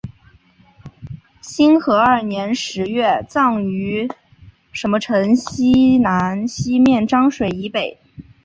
兴和二年十月廿一日葬于邺城西面漳水以北。